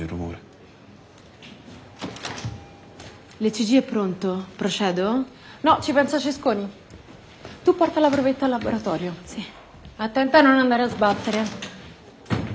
はい。